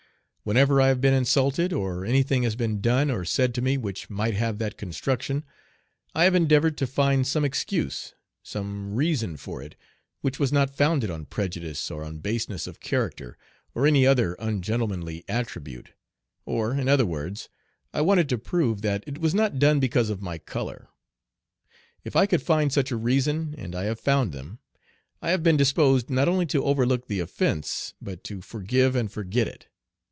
Whenever I have been insulted, or any thing has been done or said to me which might have that construction, I have endeavored to find some excuse, some reason for it, which was not founded on prejudice or on baseness of character or any other ungentlemanly attribute; or, in other words, I wanted to prove that it was not done because of my color. If I could find such a reason and I have found them I have been disposed not only to overlook the offence, but to forgive and forget it.